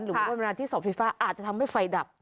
หรือบริมาณที่สอบไฟฟ้าอาจจะทำให้ไฟดับ